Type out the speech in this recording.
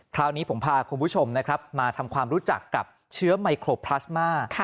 คราวนี้ผมพาคุณผู้ชมนะครับมาทำความรู้จักกับเชื้อไมโครพลาสมา